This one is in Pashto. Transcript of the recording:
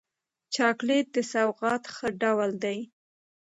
چاکلېټ د سوغات ښه ډول دی.